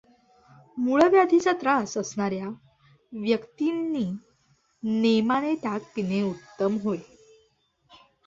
मूळव्याधीचा त्रास असणाऱ्या व्यक् तींनी नेमाने ताक पिणे उत्तम होय.